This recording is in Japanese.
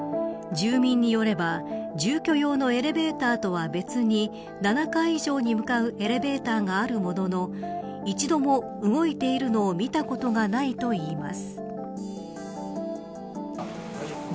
住民によれば住居用のエレベーターとは別に７階以上に向かうエレベーターがあるものの一度も動いているのを見たことがないといいます。